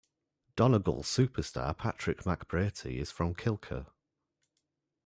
Donegal superstar Patrick McBrearty is from Kilcar.